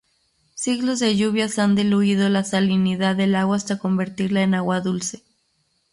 Siglos de lluvias han diluido la salinidad del agua hasta convertirla en agua dulce.